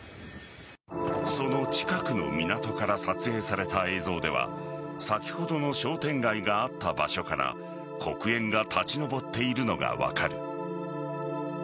その近くの港から撮影された映像では先ほどの商店街があった場所から黒煙が立ち上っているのが分かる。